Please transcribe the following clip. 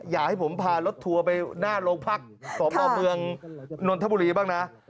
อย่าให้ผมพารถทัวร์ไปหน้าโรงพรรคของบ้านเมืองนทบุรีบ้างนะ